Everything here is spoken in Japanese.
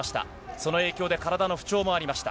その影響で体の不調もありました。